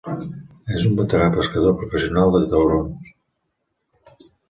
És un veterà pescador professional de taurons.